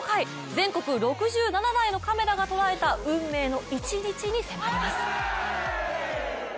全国６７台のカメラがとらえた「運命の１日」に迫ります。